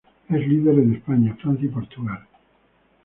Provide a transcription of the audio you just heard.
Es líder en España, Francia y Portugal.